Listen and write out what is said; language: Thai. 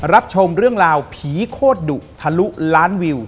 รับชมเรื่องราวผีโคตรดุทะลุล้านวิว